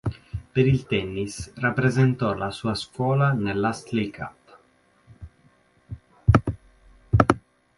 Per il tennis rappresentò la sua scuola nella Astley Cup.